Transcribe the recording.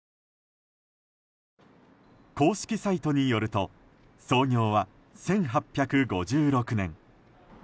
公式サイトによると創業は１８５６年。